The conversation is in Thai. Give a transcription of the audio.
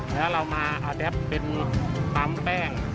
แล้วเรามาเอาแดปเป็นปั๊มแป้ง